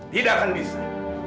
tidak akan bisa